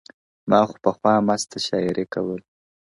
ما خو پخوا مـسـته شــاعـــري كول.